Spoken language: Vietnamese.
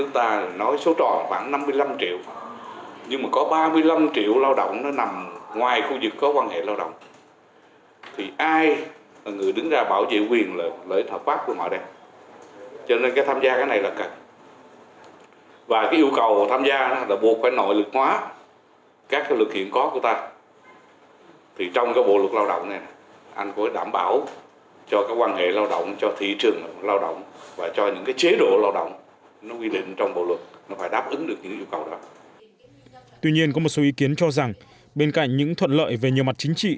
tuy nhiên có một số ý kiến cho rằng bên cạnh những thuận lợi về nhiều mặt chính trị